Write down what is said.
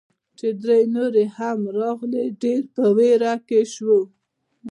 چې درې نورې هم راغلې، ډېر په ویره کې شوو.